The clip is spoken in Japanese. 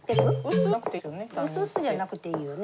薄々じゃなくていいよね。